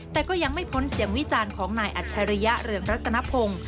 แต่ก็ยังไม่พ้นเสียงวิจารณ์ของนายอัจฉริยะเรืองรัตนพงศ์